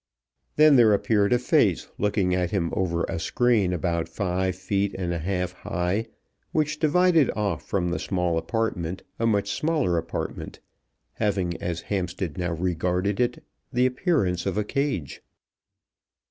Then there appeared a face looking at him over a screen about five feet and a half high, which divided off from the small apartment a much smaller apartment, having, as Hampstead now regarded it, the appearance of a cage.